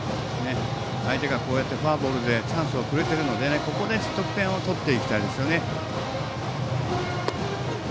相手がフォアボールでチャンスをくれているのでここで得点を取っていきたいですよね。